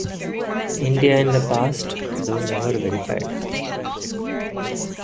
India in the past though never verified.